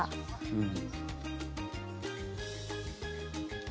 うん。